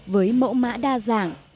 với mẫu mã đa dạng